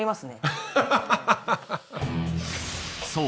そう